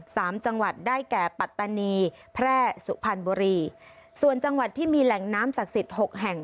สามจังหวัดได้แก่ปัตตานีแพร่สุพรรณบุรีส่วนจังหวัดที่มีแหล่งน้ำศักดิ์สิทธิ์หกแห่ง